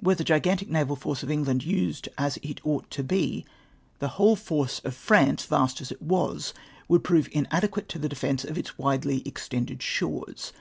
Were the gigantic naval force of England used as it ought to be, the ivhole force of France, vast as it ivas, would prove inadequate to the defence of its vjidely extended sJtores.